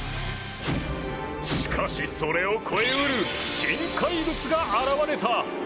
しかし、それを超え得る新怪物が現れた。